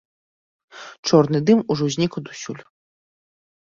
Чорны дым ужо знік адусюль.